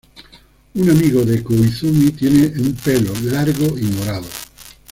Una amiga de Koizumi, tiene un pelo largo y morado.